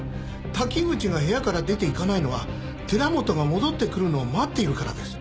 滝口が部屋から出ていかないのは寺本が戻ってくるのを待っているからです。